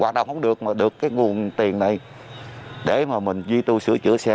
hoạt động không được mà được cái nguồn tiền này để mà mình duy tu sửa chữa xe